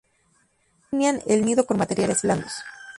Alinean el nido con materiales blandos.